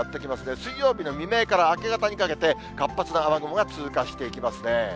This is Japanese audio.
水曜日の未明から明け方にかけて、活発な雨雲が通過していきますね。